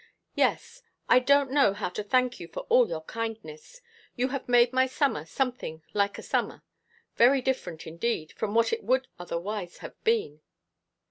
"Yes. I don't know how to thank you for all your kindness. You have made my summer something like a summer; very different, indeed, from what it would otherwise have been."